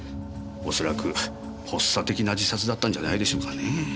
恐らく発作的な自殺だったんじゃないでしょうかねえ。